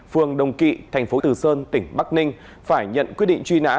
phường đồng kỵ tp từ sơn tỉnh bắc ninh phải nhận quyết định truy nã